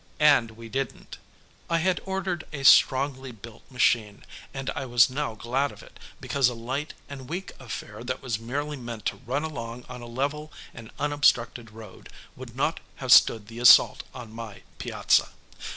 And we didn't. I had ordered a strongly built machine, and I was now glad of it, because a light and weak affair that was merely meant to run along on a level and unobstructed road would not have stood the assault on my piazza.